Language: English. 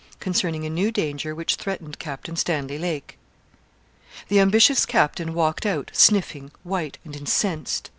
CONCERNING A NEW DANGER WHICH THREATENED CAPTAIN STANLEY LAKE. The ambitious captain walked out, sniffing, white, and incensed.